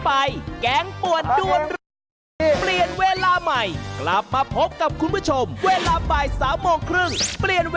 ไอ้กลุ่มขวาก็ลุกขึ้นยืน